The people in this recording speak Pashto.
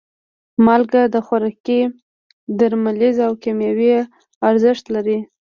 مالګه خوراکي، درملیز او کیمیاوي ارزښت لري.